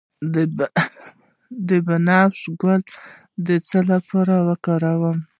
د بنفشه ګل د څه لپاره وکاروم؟